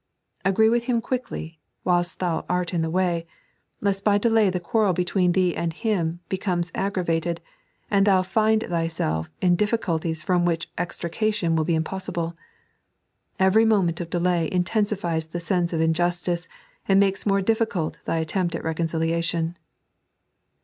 Agree with him quickly, whilst thou art in the way ; lest by delay the quarrel between thee and him becomes aggra vated, and thou find thyself in difficulties from which extrication will be impossible. Every moment of delay in tensifies the sense of injustice, and makes more difficult thy attempt at reconciliation."